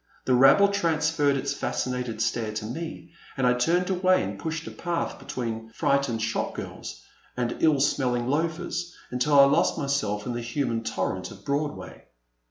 The rabble transferred its fascinated stare to me, and I turned away and pushed a path between fright ened shop girls and ill smelling loafers, until I lost myself in the human torrent of Broadway.